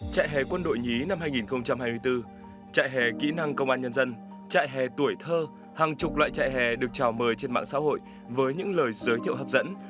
trại hè quân đội nhí năm hai nghìn hai mươi bốn trại hè kỹ năng công an nhân dân trại hè tuổi thơ hàng chục loại chạy hè được trào mời trên mạng xã hội với những lời giới thiệu hấp dẫn